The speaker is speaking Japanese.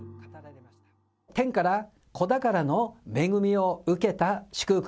天から子宝の恵みを受けた祝福